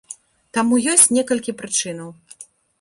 Таму ёсць некалькі прычынаў.